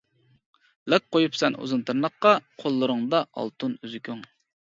لاك قويۇپسەن ئۇزۇن تىرناققا، قوللىرىڭدا ئالتۇن ئۈزۈكۈڭ.